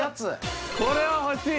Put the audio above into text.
これは欲しい！